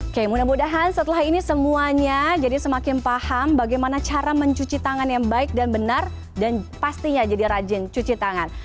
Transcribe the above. oke mudah mudahan setelah ini semuanya jadi semakin paham bagaimana cara mencuci tangan yang baik dan benar dan pastinya jadi rajin cuci tangan